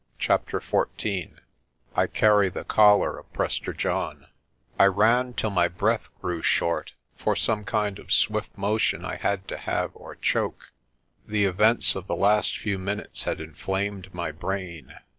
CHAPTER XIV I CARRY THE COLLAR OF PRESTER JOHN I RAN till my breath grew short, for some kind of swift mo tion I had to have or choke. The events of the last few minutes had inflamed my brain.